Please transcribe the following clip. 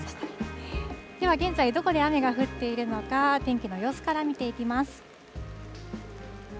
では現在、どこで雨が降っているのか、天気の様子から見ていきます。